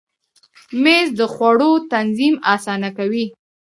مېز د خوړو تنظیم اسانه کوي.